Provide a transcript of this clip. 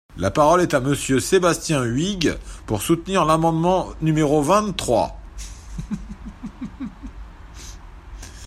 La parole est à Monsieur Sébastien Huyghe, pour soutenir l’amendement numéro vingt-trois.